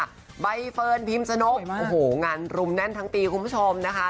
ใบเฟิร์นพิมชนกโอ้โหงานรุมแน่นทั้งปีคุณผู้ชมนะคะ